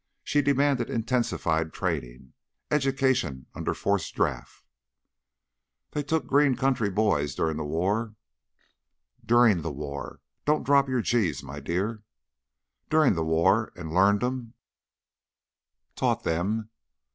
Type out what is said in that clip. She demanded intensified training; education under forced draught. "They took green country boys durin' the war " "During the war. Don't drop your g's, my dear." " during the war, and learned 'em " "Taught them!"